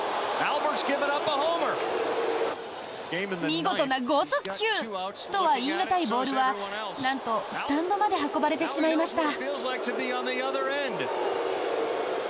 見事な豪速球とは言い難いボールはなんと、スタンドまで運ばれてしまいました。